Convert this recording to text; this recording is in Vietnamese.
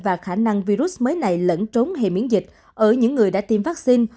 và khả năng virus mới này lẫn trốn hay miễn dịch ở những người đã tìm vaccine